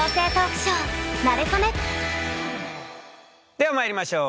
ではまいりましょう。